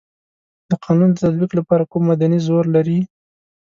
د قانون د تطبیق لپاره کوم مدني زور لري.